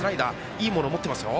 いいもの持ってますよ。